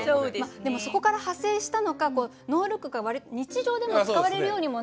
でもそこから派生したのかノールックが割と日常でも使われるようにもなって。